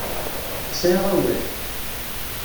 Yesɛa awal.